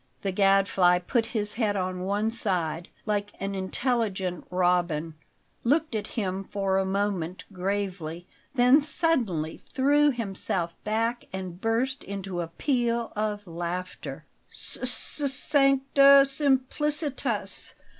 The Gadfly put his head on one side, like an intelligent robin, looked at him for a moment gravely, then suddenly threw himself back and burst into a peal of laughter. "S s sancta simplicitas!